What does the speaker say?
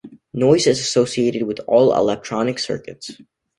Noise is associated with all electronic circuits.